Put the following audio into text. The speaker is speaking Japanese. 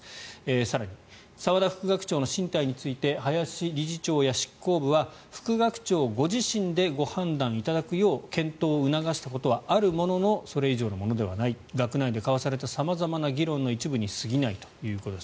更に、澤田副学長の進退について林理事長や執行部は副学長ご自身でご判断いただくよう検討を促したことはあるもののそれ以上のものではない学内で交わされた様々な議論の一部に過ぎないということです。